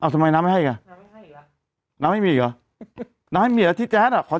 อ๋อทีแซะอ่ะขอแซคหน่อยไม่ได้เหรอ